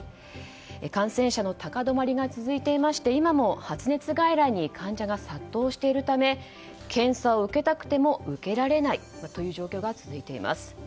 感染者の高止まりが続いていて今も発熱外来に患者が殺到しているため検査を受けたくても受けられない状況が続いています。